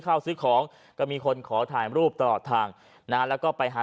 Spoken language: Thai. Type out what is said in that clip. ซื้อของก็มีคนขอถ่ายรูปตลอดทางนะแล้วก็ไปหา